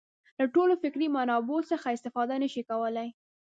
له ټولو فکري منابعو څخه استفاده نه شي کولای.